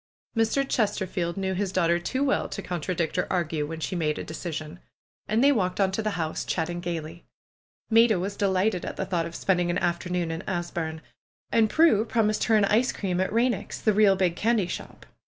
Mr. Chesterfield knew his daughter too well to con tradict or argue when she made a decision. And they walked on to the house, chatting gaily. Maida was delighted at the thought of spending an afternoon in Asburne. And Prue promised her an ice cream at Eeineck's, the real big candy shop.